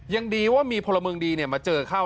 ยังดีว่ามีพลเมืองดีมาเจอเข้า